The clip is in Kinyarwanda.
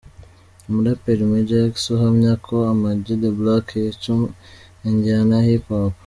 Umuraperi Major X uhamya ko Ama G the Black yica injyana ya Hip Hop.